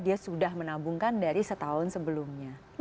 dia sudah menabungkan dari setahun sebelumnya